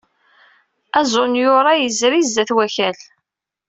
Azunyur-a yezri sdat Wakal.